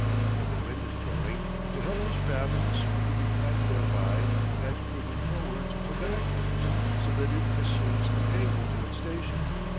If a wind is blowing, the helpless craft is certain to be caught thereby and driven forwards or backwards, so that it assumes an angle to its station.